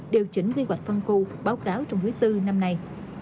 điều chỉnh quy hoạch phân cư báo cáo trong huyết tư năm nay